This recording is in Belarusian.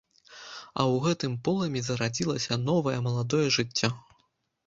А ў гэтым полымі зарадзілася новае, маладое жыццё.